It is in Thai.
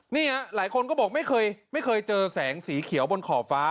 หลายคนก็บอกไม่เคยเจอแสงสีเขียวบนขอบฟ้า